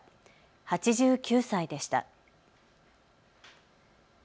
８９歳でした。